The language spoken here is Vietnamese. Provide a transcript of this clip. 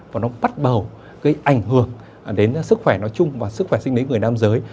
và nó bắt đầu gây ảnh hưởng đến sức khỏe nói chung và sức khỏe sinh nến người nam giới